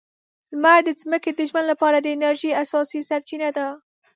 لمر د ځمکې د ژوند لپاره د انرژۍ اساسي سرچینه ده.